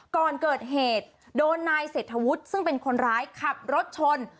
ก่อนเกิดเหตุโดนนายเศรษฐวุฒิซึ่งเป็นคนร้ายขับรถชน